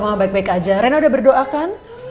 mama baik baik aja rana udah berdoa kan